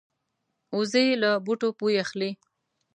وزې له بوټو بوی اخلي